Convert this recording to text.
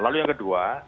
lalu yang kedua